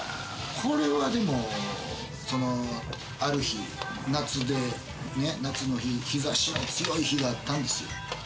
これはでも、ある日、夏で、夏の日差しの強い日があったんですよ。